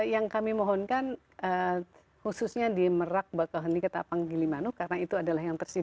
yang kami mohonkan khususnya di merak bakoheni katapang gilimanu karena itu adalah yang tersibuk ya